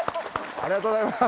ありがとうございます。